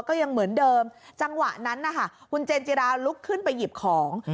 ก็ยังเหมือนเดิมจังหวะนั้นนะคะคุณเจนจิราลุกขึ้นไปหยิบของ